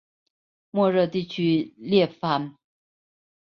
莫热地区勒潘。